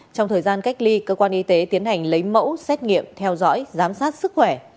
trong thời gian cách ly cơ quan y tế tiến hành lấy mẫu xét nghiệm theo dõi giám sát sức khỏe